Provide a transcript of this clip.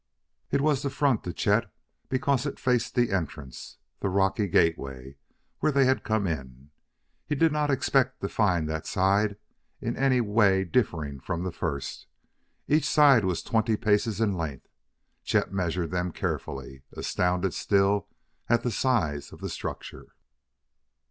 It was the front to Chet because it faced the entrance, the rocky gateway, where they had come in. He did not expect to find that side in any way differing from the first. Each side was twenty paces in length; Chet measured them carefully, astounded still at the size of the structure.